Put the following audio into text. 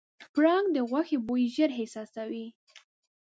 پړانګ د غوښې بوی ژر احساسوي.